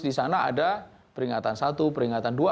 di sana ada peringatan satu peringatan dua